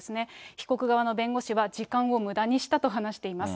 被告側の弁護士は時間をむだにしたと話しています。